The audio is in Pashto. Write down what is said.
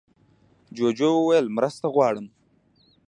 جوجو وویل مرسته غواړم.